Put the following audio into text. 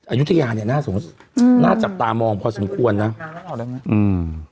อายุทธิยาเนี้ยน่าสงสัยอืมน่าจับตามองพอสมควรนะอืม